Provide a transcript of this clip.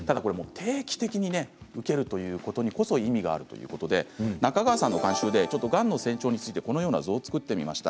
定期的に受けるということにこそ意味があるということで中川さんの監修でがんの成長についてこの図を作りました。